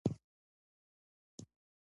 چې څوک ووژني